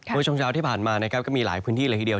เมื่อช่วงเช้าที่ผ่านมานะครับก็มีหลายพื้นที่เลยทีเดียว